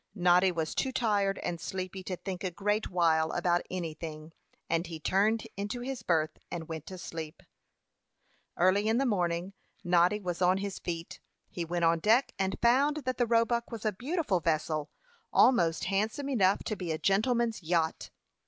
Noddy was too tired and sleepy to think a great while about anything; and he turned into his berth, and went to sleep. Early in the morning Noddy was on his feet. He went on deck, and found that the Roebuck was a beautiful vessel, almost handsome enough to be a gentleman's yacht.